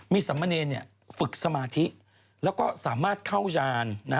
มีสามเณรฝึกสมาธิแล้วก็สามารถเข้ายาน